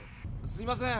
すいません